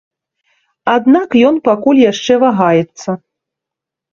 Аднак ён пакуль яшчэ вагаецца.